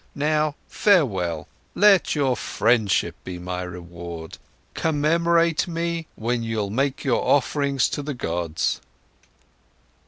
Now farewell! Let your friendship be my reward. Commemorate me, when you'll make offerings to the gods."